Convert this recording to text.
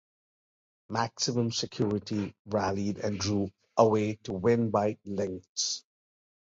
Maximum Security rallied and drew away to win by lengths.